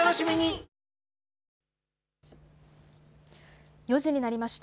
４時になりました。